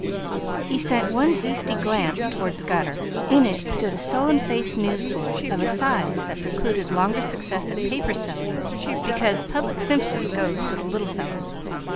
He sent one hasty glance toward the gutter. He saw a sullen faced newsboy of a size that precluded longer success at paper selling, because public sympathy goes to the little fellows.